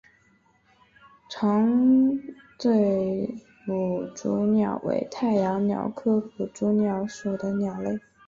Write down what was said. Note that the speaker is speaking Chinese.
长嘴捕蛛鸟为太阳鸟科捕蛛鸟属的鸟类。